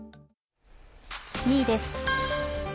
２位です。